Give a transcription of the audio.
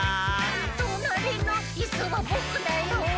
「となりのイスはぼくだよ」